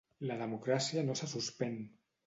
La democràcia no se suspèn!